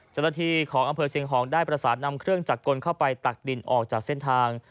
เจ้าหน้าที่ของอำเภอเชียงหองได้ประสานนำเครื่องจักรกลเข้าไปตักดินออกจากเส้นทาง